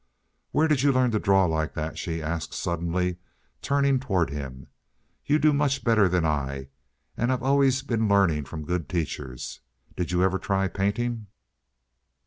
"Where did you learn to draw like that?" she asked, suddenly, turning toward him. "You do much better than I, and I've always been learning from good teachers. Did you ever try painting?"